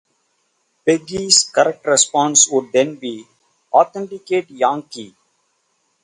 Peggy's correct response would then be "authenticate Yankee".